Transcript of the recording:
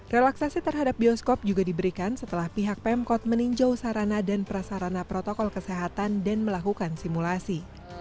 relaksasi terhadap bioskop juga diberikan setelah pihak pemkot meninjau sarana dan prasarana protokol kesehatan dan melakukan simulasi